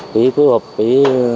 với phối hợp với